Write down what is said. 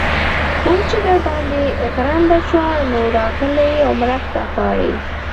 اوس چې در باندې غرنده شوه؛ نو، راغلې او مرسته غواړې.